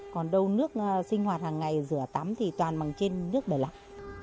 còn đâu nước sinh hoạt hàng ngày rửa tắm thì toàn bằng trên nước để lọc